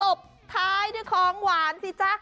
ตบท้ายคือของหวานสิจ๊ะ